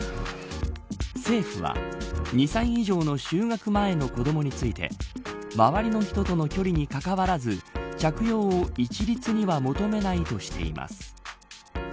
政府は２歳以上の就学前の子どもについて周りの人との距離にかかわらず着用を一律には求めないとしています。